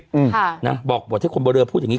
บอกว่าที่ของบริเวณบองเรือพูดอย่างนี่